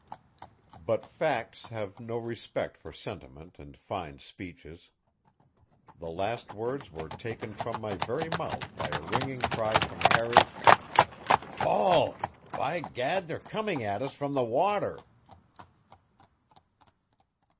But facts have no respect for sentiment and fine speeches. The last words were taken from my very mouth by a ringing cry from Harry: "Paul! By gad, they're coming at us from the water!"